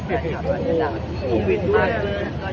จงเป้นวิจารณ์อ่ะ